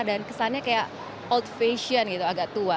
dan kesannya kayak old fashion gitu agak tua